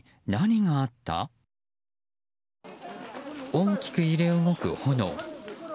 大きく揺れ動く炎。